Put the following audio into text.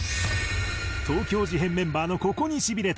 「東京事変メンバーのココにシビれた」。